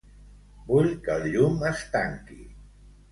Vull que el llum es tanqui.